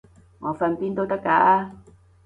我瞓邊都得㗎